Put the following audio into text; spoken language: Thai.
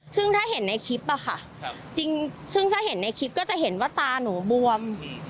ซึ่งถ้าเห็นในคลิปอะค่ะจริงซึ่งถ้าเห็นในคลิปก็จะเห็นว่าตาหนูบวม